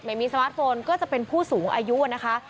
สมาร์ทโฟนก็จะเป็นผู้สูงอายุนะคะ